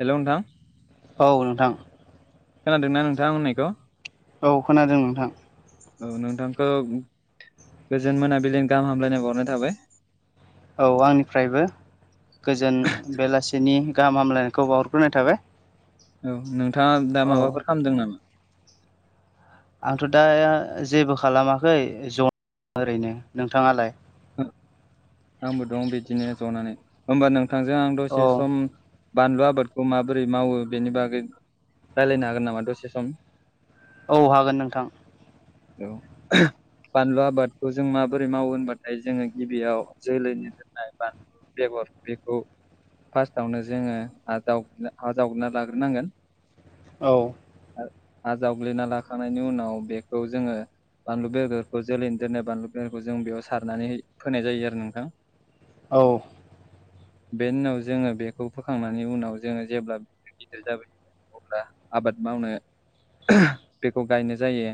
Hello नोंथां। औ नोंथां खोनादोंना नोंथां आं होननायखौ औ खोनादों नोंथां औ नोंथांखौ गोजोन मोनाबिलिजों गाहाम हामलायनाय हरनाय थाबाय औ आंनिफ्रायबो गोजोन बेलासि नि गाहाम हामलायनायखौ बावहरग्रोनाय थाबाय औ नोंथाङा दा औ माबाफोर खालामदों नामा आंथ' दा जेबो खालामाखै ज' ओरैनो नोंथाङालाय ओ आंबो दं बिदिनो ज'नानै होमबा नोंथांजों आं औ दसे सम बानलु आबादखौ माबोरै मावो बेनि बागै रायलायनो हागोन नामा दसे सम? औ हागोन नोंथां। [unintelligible] बानलु आबादखौ जों माबोरै मावो होनबाथाय जोङो गिबियाव जोलैनो दोननाय बानलु बेगर बेखौ फार्स्टयावनो जोङो हा जावग्रोना लाग्रोनांगोन। औ हा जावग्लिना लाखांनायनि उनाव बेखौ जोङो बानलु बेगरखौ जोलैनि दोननाय बानलु बेगरखौ जों बेयाव सारनानै फोनाय जायो आरो नोंथां। औ। बेनि उनाव जोङो बेखौ फोखांनायनि उनाव जोङो जेब्ला गिदिर गिदिर जाबोयो। अब्ला आबाद मावनो बेखौ गायनाय जायो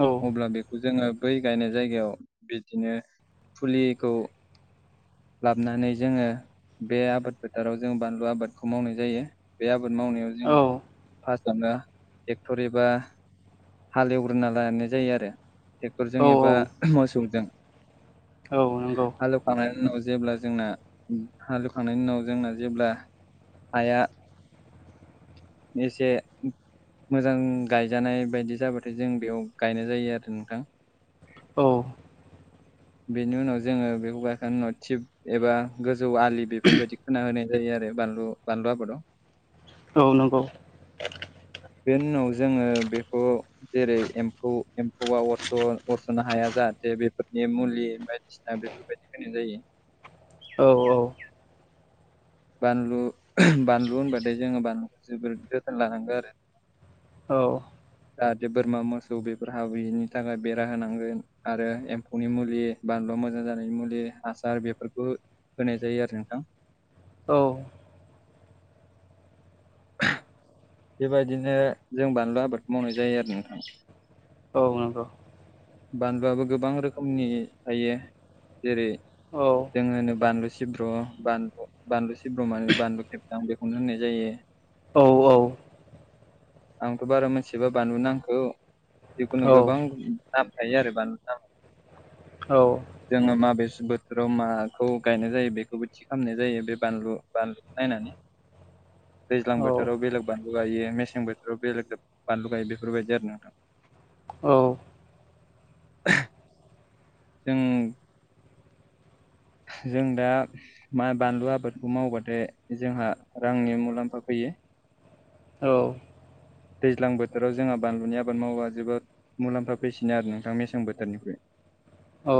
औ अब्ला बेखौ जोङो बै गायनाय जायगायाव बिदिनो फुलिखौ लाबोनानै जोङो बे आबाद फोथाराव जो बानलु आबादखौ मावनाय जायो बे आबाद आबाद मावनायाव औ जोङो फार्स्ट नो ट्रेक्टर एबा हाल एवग्रोना लानाय जायो आरो ट्रेक्टरजों एबा औ मोसौजों औ नंगौ। हालेवखांनायनि उनाव जेब्ला जोंना हाल एवखांनायनि उनाव जोंना जेब्ला हाया एसे मोजां गायजानाय बायदि जाबाथाय जों बेयाव गायनाय जायो आरो नोंथां। औ। बेनि उनाव जोङो बेखौ गायखांनायनि उनाव थिब एबा जौ आलि बेफोरबायदि खोना होनाय जायो आरो बानलु बानलु आबादाव औ नंगौ। बेनि उनाव जोङो बेखौ जेरै एम्फौ एम्फौआ अरस' अरस'नो हाया जा जाहाथे बेफोरनि मुलि बायदिसिना बेफोरबायदि होनाय जायो। औ औ। बानलु बानलु होनबाथाय जोङो बानलुखौ जोबोद जोथोन लानांगौ आरो। औ। जाहाथे बोरमा मोसौ बेफोर हाबैनि बेनि थाखाय बेरा होनांगोन आरो एम्फौनि मुलि बानलु मोजां जानाय मुलि हासार बेफोरखौ होनाय जायो आरो नोंथां। औ। बेबायदिनो जों बानलु आबाद मावनाय जायो आरो नोंथां। औ नंगौ। बानलुआबो गोबां रोखोमनि थायो जेरै औ जों होनो बानलु सि सिब्र' बानलु बानलु सिब्र माने बानलु खेबजां बेखौनो होननाय जायो। औ औ‌। आंथ' बारा मोनथिबा बानलुनो आंखौ जिखुनु गोबां नाम थायो आरो बानलु नाम औ जोङो माबे। बोथोराव माखौ गायनाय जायो बेखौबो थि खालामनाय जायो बे बानलु बानलुखौ नायनानै दैज्लां बोथोराव बेलेग बान लु गायो मेसें बोथोराव बेलेग बानलु गायो बेफोरबायदि आरो नोंथां। औ। जों। जों दा मां बानलु आबादखौ मावबाथाय जोंहा रांनि मुलाम्फा फैयो। [unintelligible] औ। दैज्लां बोथोराव जोंहा बानलुनि आबाद मावोबाजोबोद मुलाम्फा फैसिनो आरो नोंथां मेसें बोथोरनिख्रुइ औ।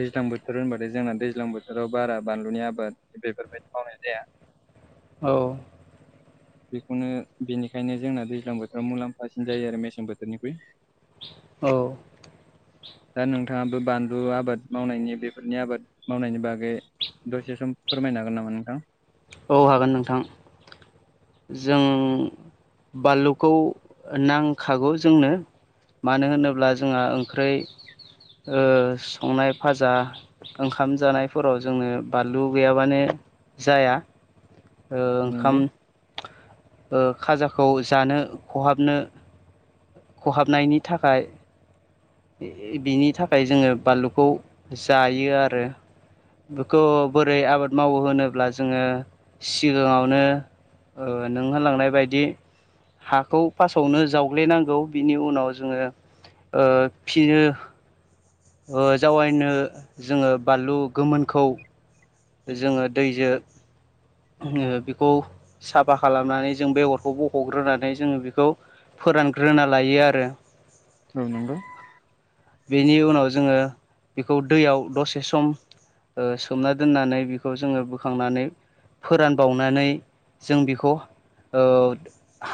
दैज्लां बोथोर होनबाथाय जोंना दैज्लां बोथोराव बारा बानलुनि आबाद बेफोरबायदि मावनाय जाया। [inaudible] औ। बेखौनो बेनिखायनो जोंना दैज्लां बोथोराव मुलाम्फासिन जायो आरो मेसें बोथोरनिख्रुइ। औ। दा नोंथाङाबो बानलु आबाद मावनायनि बेफोरनि आबाद मावनायनि बागै। दसे सम फोरमायनो हागोन नामा नोंथां? औ हागोन नोंथां। जों बानलुखौ नांखागौ जोंनो। मानो होनोब्ला जोंहा ओंखै संनाय फाजा ओंखाम जानायफोराव जोंनो बानलु गैयाबानो जाया। ओ ओंखाम नंगौ ओ खाजाखौ जानो ख'हाबनो। ख'हाबनायनि थाखाय। बिनि थाखाय जोङो बानलुखौ जायो आरो। बेखौ बोरै आबाद मावो होनोब्ला जोङो सिगाङावनो। नों होलांनाय बायदि। हाखौ फार्स्टावनो जावग्लेनांगौ बिनि उनाव जोङो। [unintelligible] ओ जावायनो जोङो बानलु गोमोनखौ। जोङो दैजों बेखौ साफा खालामनानै जों बेगरखौ बख'ग्रोनानै जोङो बेखौ। फोरानग्रोना लायो आरो। औ नंगौ। बेनि उनाव जोङो बेखौ दैयाव दसे सम। सोमना दोननानै बेखौ जोङो बोखांनानै। फोरानबावनानै जों बेखौ।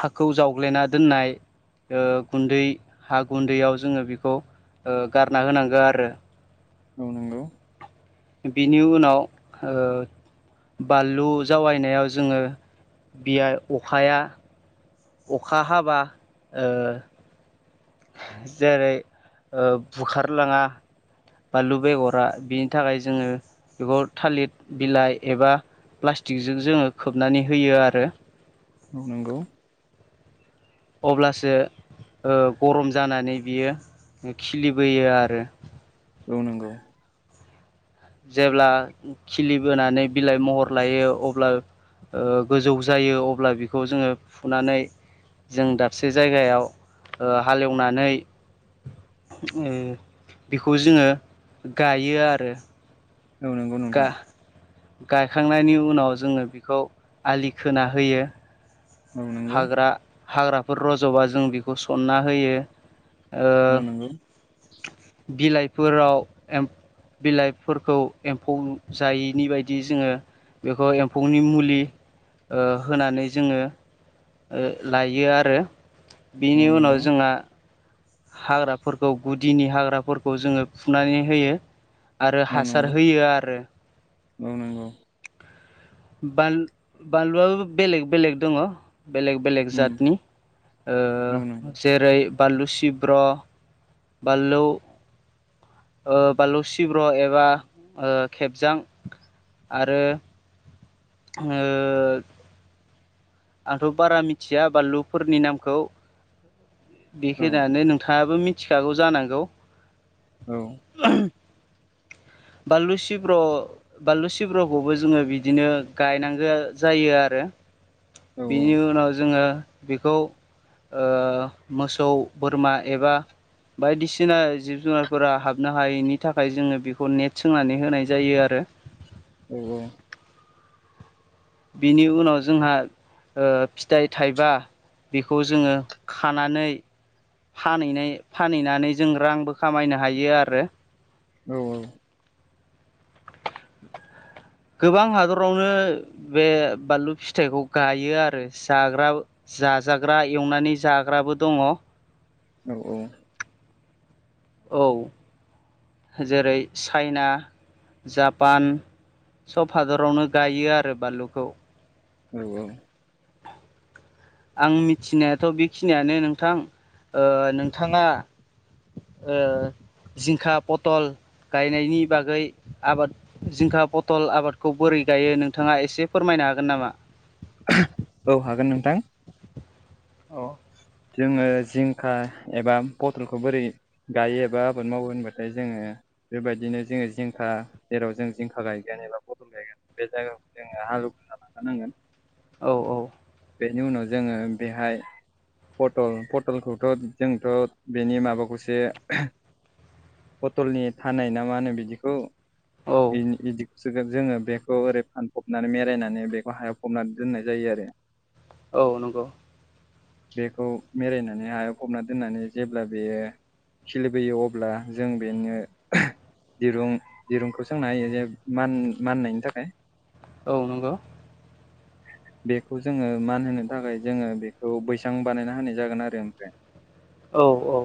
हाखौ जावग्ललिना दोननाय। गुन्दै हा गुन्दैयाव जोङो बेखौ गारना होनांगौ आरो। औ नंगौ। बिनि उनाव बानलु जावैनायाव जोङो बियो अखाया। अखा हाबा जेरै बुखारलाङा। बानलु बेगरा बिनि थाखाय जोङो बेखौ थालिर बिलाइ एबा। प्लास्टिकजों जोङो खोबनानै होयो आरो। औ नांगौ। अब्लासो गरम जानानै बियो खिलिबोयो आरो औ नंगौ जेब्ला खिलि बोनानै बिलाइ महर लायो। अब्ला गोजौ जायो अब्ला बेखौ जोङो फुनानै। जों दाबसे जायगायाव हालेवनानै। बेखौ जोङो गायो आरो‌। औ नंगौ नोंथां। फोखांनायनि उनाव जोङो बेखौ आलि खोना होयो। औ नंगौ हाग्रा हाग्राफोर रज'बा जों बेखौ सनना होयो। औ ओ नंगौ। बिलाइफोराव एम्फौ। बिलाइफोरखौ एम्फौ जायैनि बायदि जोङो। बेखौ एम्फौनि मुलि होनानै जोङो। लायो आरो औ बिनि उनाव नंगौ जोंहा हाग्राफोरखौ गुदिनि हाग्राफोरखौ जोङो फुनानै होयो। आरो औ हासार नंगौ होयो आरो। औ नंगौ बानलुआबो बेलेग बेलेग दङ। बेलेग बेलेग उम जातनि औ नंगौ जेरै बानलु सिब्र' बानलु बालु सिब्रह एबा खेबजां आरो ओ आंथ' बारा मिथिया बानलुफोरनि नामखौ औ बेखिनियानो नोंथाङाबो मिथिखागौ जानांगौ औ बानलु सिब्र बानलु सिब्रखौबो जोङो बिदिनो गायनांगौ जायो आरो। औ बिनि उनाव जोङो बेखौ मोसौ बोरमा एबा बायदिसिना जिब जुनारफोरा हाबनो हायैनि थाखाय जोङो बेखौ नेट सोंनानै होनाय जायो आरो। औ बेनि उनाव जोंहा फिथाइ थाइबा बेखौ जोङो खानानै फानहैनाय फानहैनानै जों रांबो खामायनो हायो आरो। औ औ गोबां हादरावनो बे बानलु फिथाइखौ गायो आरो जाग्रा जाजाग्रा एवनानै जाग्राबो दङ। औ औ औ जेरै चाइना जापान सब हादरावनो गायो आरो बानलुखौ औ औ आं मिथिनायाथ' बेखिनियानो नोंथां नोंथाङा ओ जिंखा पथल गायनायनि बागै आबाद जिंखा पथल आबादखौ बोरै गायो नोंथाङा एसे फोरमायनो हागोन नामा? औ हागोन नोंथां। औ जोङो जिंखा एबा पथलखौ बोरै गायो एबा आबाद मावो होनबाथाय जोङो बेबायदिनो जोङो जिंखा जेराव जों जिंखा गायगोन एबा बदल गायगोन बे जायगा जोङो हालौगोरना लागोरनांगोन। औ औ बेनि उनाव जोङो बेहाय पटल पटलखौथ' जोंथ' बेनि माबाखौसो पटलनि थानाय ना मा होनो बिदिखौ औ बिदि जोङो बेखौ ओरै फानफबनानै बेेरायनानै बेखौ हायाव फबनानै दोननाय जायो आरो। औ नंगौ बेखौ मेरायायनानै हायाव फबना दोननानै जेब्ला बेयो खिलिबोयो अब्ला जों बेनो दिरुं दिरुंखौ सोंना होयो जे माननायनि थाखाय औ नंगौ बेखौ जोङो मान होनो थाखाय जोङो बेखौ बैसां बानायना होनाय जागोन आरो ओमफ्राय। औ औ।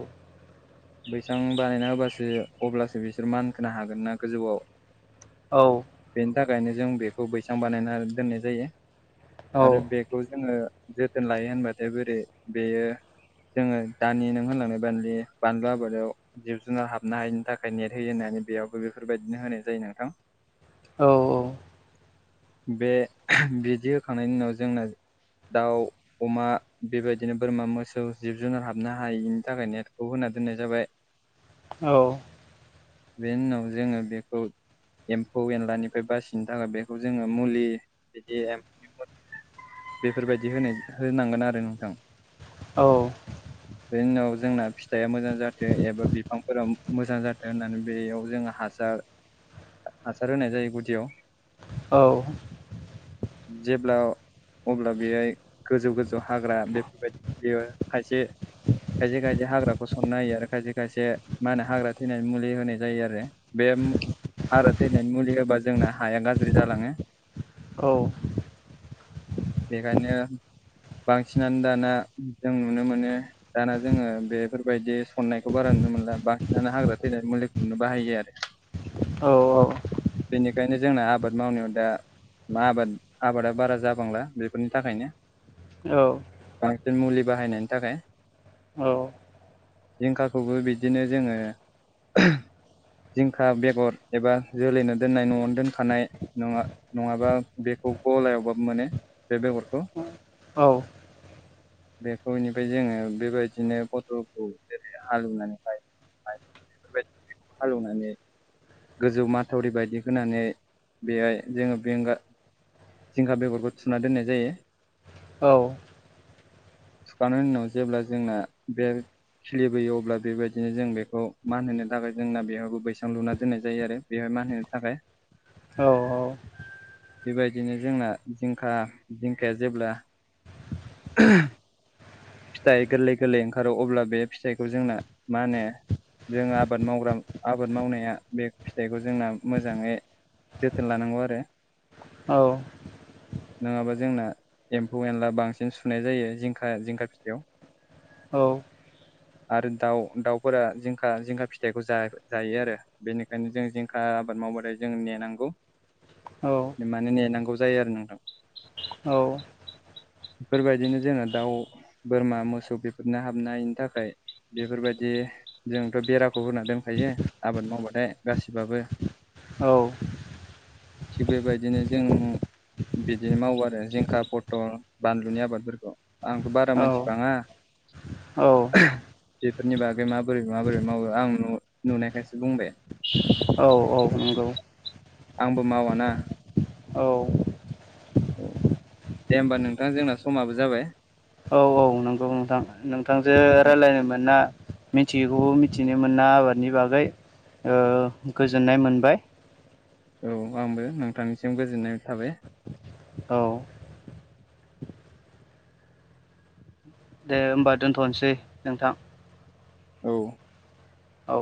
बैसां बानायना होबासो अब्लासो बिसोर मानखोनो हागोन ना गोजौआव। औ। बिनिथाखायनो जों बेखौ बैसां बानायनानै दोननाय जायो औ आरो बेखौ जोङो। जोथोन लायो होनबाथाय बोरै बेयो। जोङो दानि नों होनलांनाय बान बानलु आबादाव जिब जुनार हाबनो हायिनि थाखाय नेट होयो होननानै। बेयावबो बेफोरबायदिनो होनाय जायो नोंथां। औ औ। बे बिदि होखांनायनि उनाव जोंना। दाउ अमा बेबायदिनो बोरमा मोसौ जिब जुनार हाबनो हायिनि थाखाय नेटखौ होनाय। दोननाय जाबाय। औ। बे उनाव जोङो बेखौ। एम्फौ एनलानिफ्राय बासिनो थाखाय बेखौ जोङो मुलि बिदि। बेफोरबायदि होनाय होनांगोन आरो नोंथां। औ। बेनि उनाव जोंना फिथाइया मोजां जाथो एबा बिफांफोराव मोजां जाथों होननानै बेयाव जोङो हासार हासार होनाय जायो गुदियाव। औ। जेब्ला अब्ला बेहाय गोजौ गोजौ हाग्रा बेफोरबायदि खिलियो खायसे। खायसे खायसे हाग्राखौ सनना होयो आरो खायसे खायसे मा होनो हाग्रा थैनाय मुलि होनाय जायो आरो बे हाग्रा थैनायनि मुलि होबा जोंना हाया गाज्रि जालाङो। औ बेखायनो बांसिनानो दाना जों नुनो मोनो दाना जोङो बेफोरबायदि सननायखौ बारा नुला नुनो मोनला बांसिनानो हाग्रा थैनानै मुलिखौनो बाहायो आरो। औ औ। बेनिखायनो जोंना आबाद मावनायाव दा मा आबाद। आबादा बारा जाबांला बेफोरनि थाखायनो। औ बांसिन मुलि बाहायनायनि थाखाय। जिंखाखौबो बिदिनो जोङो। जिंखा बेगर एबा जोलैनो दोननाय न'आवनो दोनखानाय नङा नङाबा बेखौ। गलायावबाबो मोनो बे बेगरखौ। औ। [inaudible] बेखौनिफ्राय जोङो बेबायदिनो फथलखौ जेरै हालवनानै फाय बेफोर बायदिखौ हालौवनानै गोजौ माथावरि बायदि होनानै बेहाय जोङो बेंगार। जिंखा बेगरखौ थुना दोननाय जायो। औ। थुखांनायनि उनाव जेब्ला जोंना बे। खिलिबोयो अब्ला बेबायदिनो जों बेखौ मान होनो थाखाय जोंना बेहबो बैसां लुना दोननाय जायो आरो बेहा। मान होनो थाखाय औ औ। बेबायदिनो जोंना जिंखा जिंखाया जेब्ला [inaudible] फिथाइ गोरलै गोरलै ओंखारो अब्ला बे फिथाइखौ जोंना मा होनो। जोंङो आबाद मावग्रा आबाद मावनाया बे फिथाइखौ जोंना मोजाङै‌ जोथोन लानांगौ आरो। औ। नङाबा जोंना एम्फौ एनला बांसिन सुनाय जायो जिंखा जिंखा फिथायाव। औ [inaudible] आरो दाउ दाउफोरा जिंखा जिंखा फिथाइखौ जायो आरो बेनिखायनो जों जिंखा आबाद मावो। मावबाथाय जोंङ नेनांगौ मानो नेनांगौ जायो आरो नोंथां। औ। बेफोरबायदिनो जोङो दाउ बोरमा मोसौ बेफोरनो हाबनायनि थाखाय बेफोर बायदि। जोंथ' बेराखौ होना दोनखायो आबाद मावबाथाय गासिबो। औ। थिग बेबायदिनो जों बिदिनो मावो आरो जिंखा पथल। बानलुनि आबादफोरखौ आंथ' बारा औ मिथिबाङा। औ औ बेफोरनि बागै माबोरै माबोरै मावो आं नुनायखायसो बुंदों। औ औ नंगौ आंबो मावाना। औ औ दे होमबा नोंथां जोंना समाबो जाबाय। थां नोंथांजो राय्लायनो मोना। मिथियैखौ मिथिनो मोना आबादनि बागै। ओ गोजोननाय मोनबाय। औ आंबो नोंथांनिसिम गोजोननाय थाबाय। औ दे होमबा दोनथ'नोसै नोंथां। औ। औ